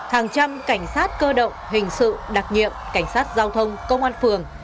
hàng trăm cảnh sát cơ động hình sự đặc nhiệm cảnh sát giao thông công an phường